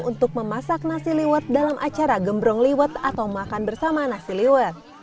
untuk memasak nasi liwut dalam acara gembrong liwut atau makan bersama nasi liwut